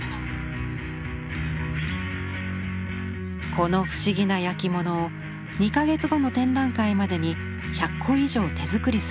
この不思議な焼き物を２か月後の展覧会までに１００個以上手作りするのだとか。